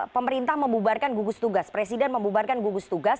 pemerintah membubarkan gugus tugas presiden membubarkan gugus tugas